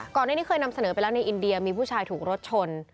ก่อนหน้านี้เคยนำเสนอไปแล้วในอินเดียมีผู้ชายถูกรถชน